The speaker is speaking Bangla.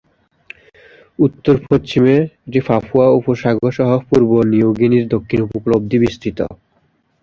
উত্তর-পশ্চিমে, এটি পাপুয়া উপসাগর সহ পূর্ব নিউ গিনির দক্ষিণ উপকূলে অবধি বিস্তৃত।